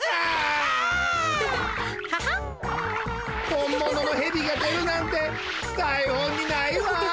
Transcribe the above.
本もののヘビが出るなんてだい本にないわ！